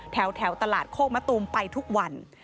แถวตลาดโคกมะตูมไปทุกวัน